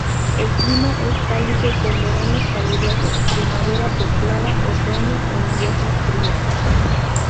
El clima es cálido, con veranos calurosos, primavera templada, otoños e inviernos fríos.